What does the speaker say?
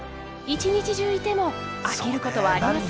一日中いても飽きることはありません。